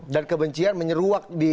dan kebencian menyeruak di imlek